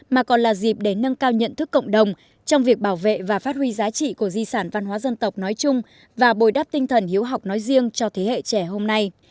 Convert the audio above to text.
mà còn là dịp để nâng cao nhận thức cộng đồng trong việc bảo vệ và phát huy giá trị của di sản văn hóa dân tộc nói chung và bồi đắp tinh thần hiếu học nói riêng cho thế hệ trẻ hôm nay